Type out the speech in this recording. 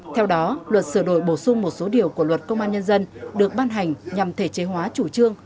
theo đó luật sửa đổi bổ sung một số điều của luật công an nhân dân được ban hành nhằm thể chế hóa chủ trương